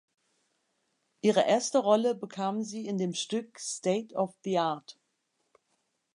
Ihre erste Rolle bekam sie in dem Stück "State of the Art".